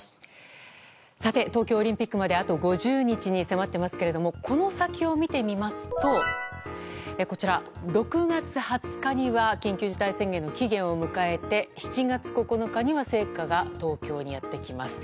東京オリンピックまであと５０日に迫ってますがこの先を見てみますと６月２０日には緊急事態宣言の期限を迎えて７月９日には聖火が東京にやってきます。